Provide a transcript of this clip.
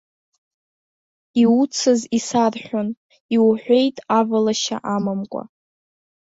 Иуцыз исарҳәон, иуҳәеит авалашьа амамкәа.